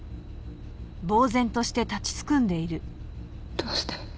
どうして？